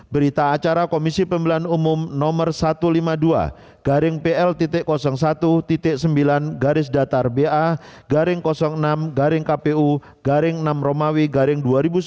berita acara komisi pemilihan umum no satu ratus lima puluh dua garing pl satu sembilan garis datar ba garing enam garing kpu garing enam romawi garing dua ribu sembilan belas